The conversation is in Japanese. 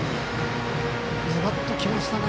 ズバッときましたね